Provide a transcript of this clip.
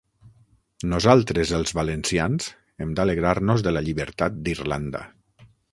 Nosaltres els valencians hem d'alegrar-nos de la llibertat d'Irlanda.